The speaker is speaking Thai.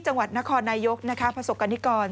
จังหวัดนครนายกประสบกรณิกร